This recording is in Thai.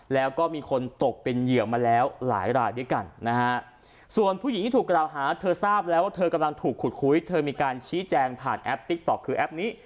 แล้วก็มีคนตกเป็นเหยื่อมาแล้วหลายรายด้วยกันนะฮะส่วนผู้หญิงที่ถูกกล่าวหาเธอทราบแล้วว่าเธอกำลังถูกขุดคุยเธอมีการชี้แจงผ่านแอปติ๊กต๊อกคือแอปนี้